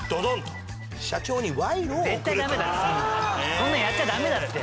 そんなのやっちゃダメだって。